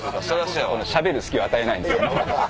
僕のしゃべる隙を与えないんですよね。